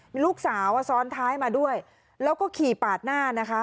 มีลูกสาวซ้อนท้ายมาด้วยแล้วก็ขี่ปาดหน้านะคะ